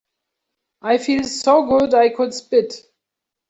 I feel so good I could spit.